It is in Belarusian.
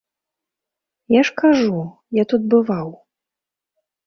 Я ж кажу, я тут бываў.